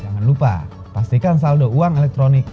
jangan lupa pastikan saldo uang elektronik